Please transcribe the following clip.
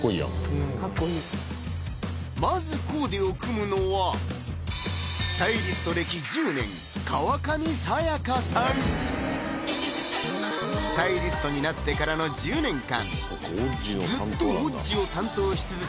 まずコーデを組むのはスタイリストになってからの１０年間ずっと「Ｏｇｇｉ」を担当し続け